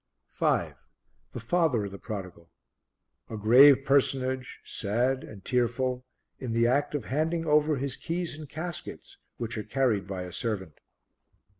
5. The Father of the Prodigal. A grave personage, sad and tearful, in the act of handing over his keys and caskets which are carried by a servant.